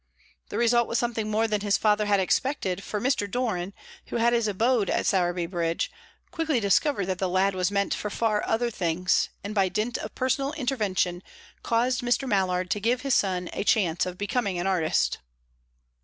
The result was something more than his father had expected, for Mr. Doran, who had his abode at Sowerby Bridge, quickly discovered that the lad was meant for far other things, and, by dint of personal intervention, caused Mr. Mallard to give his son a chance of becoming an artist.